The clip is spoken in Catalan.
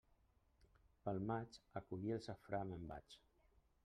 Pel maig, a collir el safrà me'n vaig.